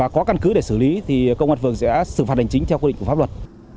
có căn cứ để xử lý thì công an phường sẽ xử phạt hành chính theo quy định của pháp luật